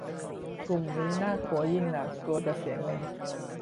กลุ่มนี้น่ากลัวยิ่งนัก กลัวจะเสียเงิน